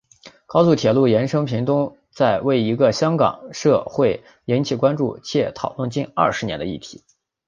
高速铁路延伸屏东为一个在台湾社会引起关注且讨论近二十年的议题。